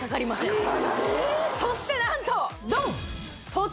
そして何とドン！